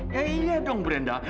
ya iya dong brenda